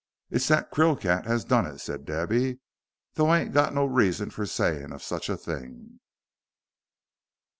"It's the Krill cat as done it," said Debby, "though I ain't got no reason for a sayin' of such a think."